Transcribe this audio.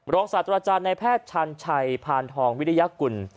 ลองศาสตราจารย์ในแพทย์ชันใหชยภาณทองวิทยากุล